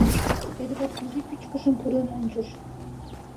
Эдвард изи пӱчкышым пурлын ончыш.